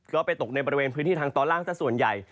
ก็ไปตกในบริเวณพื้นที่ทางตอนล่างสักส่วนใหญ่